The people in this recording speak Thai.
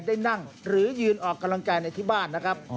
ได้นั่งหรือยืนออกกำลังกายในที่บ้านนะครับ